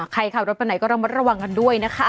ขับรถไปไหนก็ระมัดระวังกันด้วยนะคะ